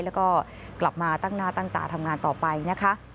แล้วก็กลับมาตั้งหน้าตั้งตาทำงานต่อไปนะคะ